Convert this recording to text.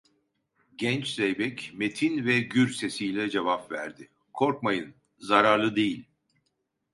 Genç zeybek metin ve gür sesiyle cevap verdi: - Korkmayın, zararlı değil…